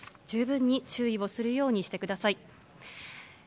十分に注意をするようにしてください。